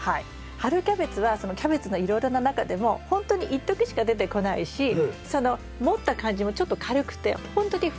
春キャベツはキャベツのいろいろな中でもほんとにいっときしか出てこないしその持った感じもちょっと軽くてほんとにフワフワなんですよね。